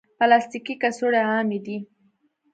پلاستيکي کڅوړې عامې دي.